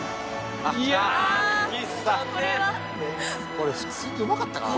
これ普通にうまかったからな。